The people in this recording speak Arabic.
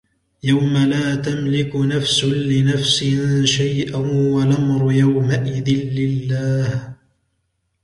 يَوْمَ لَا تَمْلِكُ نَفْسٌ لِنَفْسٍ شَيْئًا وَالْأَمْرُ يَوْمَئِذٍ لِلَّهِ